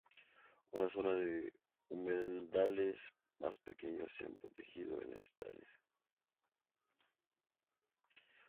Una zona de humedales más pequeños se ha protegido en esta área.